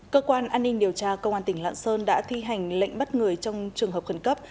cơ quan an ninh điều tra công an tỉnh lạng sơn đã thi hành lệnh bắt người trong trường hợp khẩn cấp